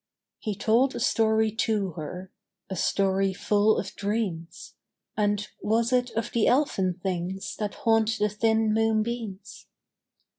He told a story to her, A story full of dreams And was it of the elfin things That haunt the thin moonbeams?